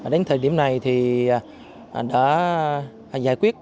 đến thời điểm này thì đã giải quyết